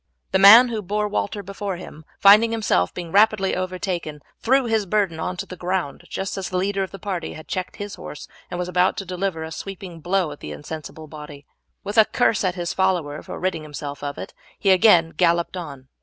The man who bore Walter before him, finding himself being rapidly overtaken, threw his burden on to the ground just as the leader of the party had checked his horse and was about to deliver a sweeping blow at the insensible body. With a curse at his follower for ridding himself of it, he again galloped on.